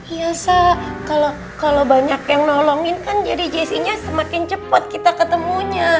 iya sa kalau banyak yang nolongin kan jadi jessy nya semakin cepat kita ketemunya